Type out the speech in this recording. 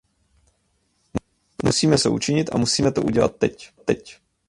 Musíme skutečně něco učinit a musíme to udělat teď.